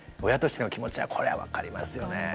親としての気持ちはこれは分かりますよね。